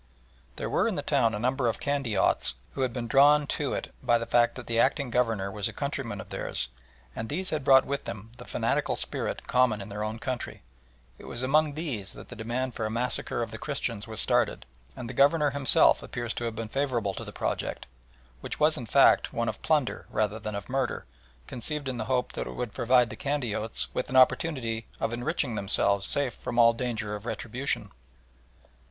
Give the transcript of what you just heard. There were in the town a number of Candiotes who had been drawn to it by the fact that the acting Governor was a countryman of theirs, and these had brought with them the fanatical spirit common in their own country. It was among these that the demand for a massacre of the Christians was started, and the Governor himself appears to have been favourable to the project, which was in fact one of plunder rather than of murder, conceived in the hope that it would provide the Candiotes with an opportunity of enriching themselves safe from all danger of retribution.